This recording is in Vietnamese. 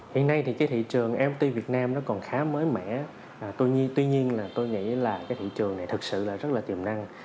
hiện nay thì cái thị trường mt việt nam nó còn khá mới mẻ tuy nhiên tuy nhiên là tôi nghĩ là cái thị trường này thật sự là rất là tiềm năng